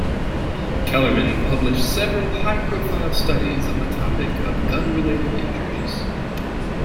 Kellermann published several high-profile studies on the topic of gun-related injuries.